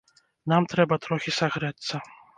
Нам трэба трохі сагрэцца.